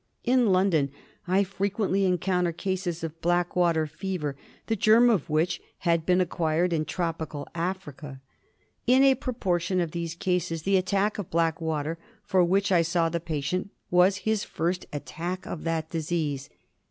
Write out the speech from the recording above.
In London I frequently encounter cases of Blackwater Fever the germ of which had been acquired in tropical Africa. In a proportion of these cases the attack of Blackwater for which I saw the patient was his first attack of that disease.